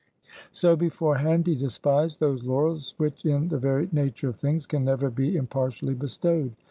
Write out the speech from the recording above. So beforehand he despised those laurels which in the very nature of things, can never be impartially bestowed.